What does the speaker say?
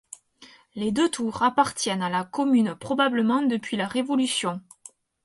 Les deux tours appartiennent à la commune probablement depuis la révolution.